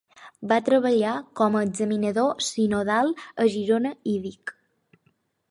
Va treballar com a examinador sinodal a Girona i Vic.